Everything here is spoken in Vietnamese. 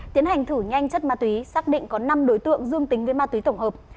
tiến hành thử nhanh chất ma túy xác định có năm đối tượng dương tính với ma túy tổng hợp